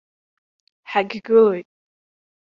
Ҳагьгылоит!